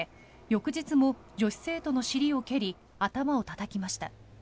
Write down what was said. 翌日も女子生徒の尻を蹴り頭をたたきました。